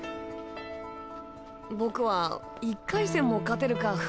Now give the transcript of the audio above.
僕は１回戦も勝てるか不安で。